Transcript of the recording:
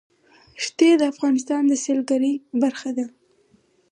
ښتې د افغانستان د سیلګرۍ برخه ده.